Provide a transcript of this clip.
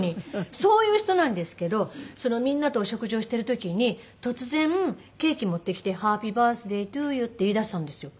そういう人なんですけどみんなとお食事をしてる時に突然ケーキ持ってきて「ハッピーバースデートゥユー」って言い出したんですよ。